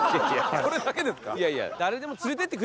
それだけですか？